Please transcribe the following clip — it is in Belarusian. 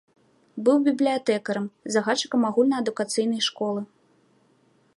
Быў бібліятэкарам, загадчыкам агульнаадукацыйнай школы.